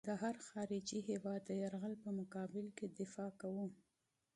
د هر خارجي هېواد د یرغل په مقابل کې دفاع کوو.